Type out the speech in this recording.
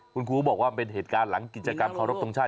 คุณครูบอกว่าเป็นเหตุการณ์หลังกิจกรรมเคารพทรงชาติ